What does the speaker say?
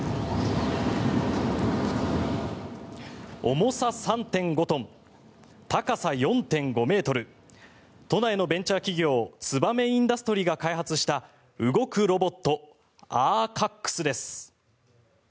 重さ３．５トン、高さ４．５ｍ都内のベンチャー企業ツバメインダストリが開発した動くロボットアーカックスです。